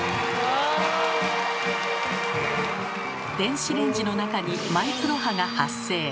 電子レンジの中にマイクロ波が発生。